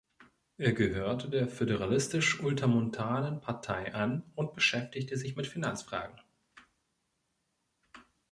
Er gehörte der föderalistisch-ultramontanen Partei an und beschäftigte sich mit Finanzfragen.